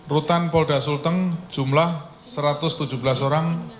rutan polda sulteng jumlah satu ratus tujuh belas orang